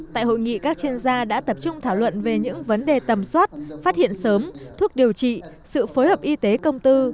tại hội nghị các chuyên gia đã tập trung thảo luận về những vấn đề tầm soát phát hiện sớm thuốc điều trị sự phối hợp y tế công tư